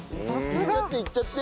いっちゃっていっちゃって。